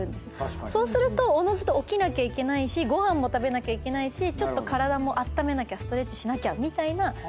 そうすると起きなきゃいけないしご飯も食べなきゃいけないしちょっと体もあっためなきゃストレッチしなきゃみたいな。